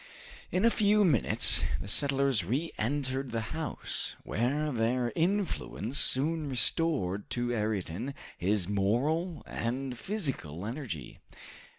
In a few minutes, the settlers re entered the house, where their influence soon restored to Ayrton his moral and physical energy.